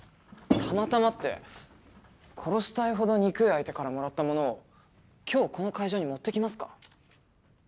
たまたまって殺したいほど憎い相手からもらったものを今日この会場に持ってきますか？